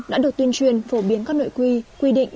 đã được tuyên truyền phổ biến các nội quy quy định